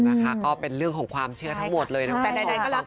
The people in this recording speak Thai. นะคะก็เป็นเรื่องของความเชื่อทั้งหมดเลยนะครับ